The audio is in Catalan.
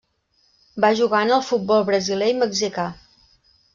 Va jugar en el futbol brasiler i mexicà.